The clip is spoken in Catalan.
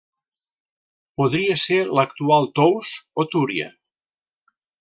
Podria ser l'actual Tous o Túria.